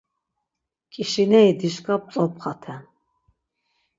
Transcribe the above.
ǩişineri dişǩa p̌tzopxaten.